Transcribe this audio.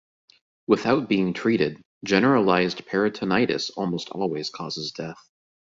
Without being treated, generalised peritonitis almost always causes death.